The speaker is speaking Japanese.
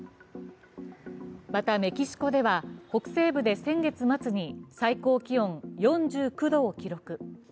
またメキシコでは、北西部で先月末に最高気温４９度を記録。